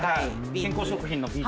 健康食品のビーツ。